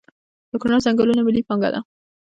د کنړ ځنګلونه ملي پانګه ده؟